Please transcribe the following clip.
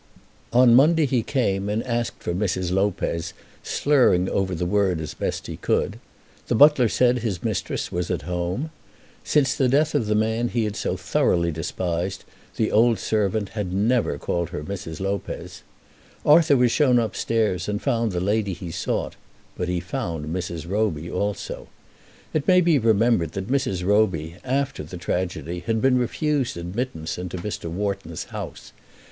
On Monday he came, and asked for Mrs. Lopez, slurring over the word as best he could. The butler said his mistress was at home. Since the death of the man he had so thoroughly despised, the old servant had never called her Mrs. Lopez. Arthur was shown upstairs, and found the lady he sought, but he found Mrs. Roby also. It may be remembered that Mrs. Roby, after the tragedy, had been refused admittance into Mr. Wharton's house.